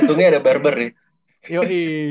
untungnya ada barber nih